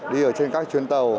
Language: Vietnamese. đi ở trên các chuyến tàu